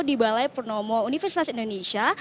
di balai purnomo universitas indonesia